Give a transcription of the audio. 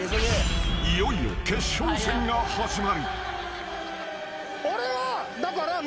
［いよいよ決勝戦が始まる］